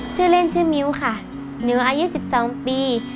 ชื่อเล่นชื่อมิ้วค่ะนิวอายุ๑๒ปี